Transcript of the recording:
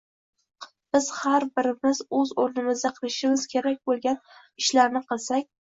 Biz har birimiz o‘z o‘rnimizda qilishimiz kerak bo‘lgan ishlarni qilsak